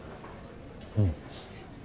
うん。